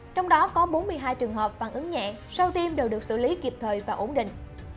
trong đó có bốn mươi hai trường hợp phản ứng nhẹ sau tiêm đều được xử lý kịp thời và ổn định